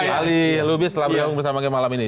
pak ali lubis telah beri akun bersama kami malam ini